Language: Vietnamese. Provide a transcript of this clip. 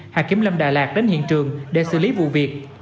hà kiếm lâm đà lạt đến hiện trường để xử lý vụ việc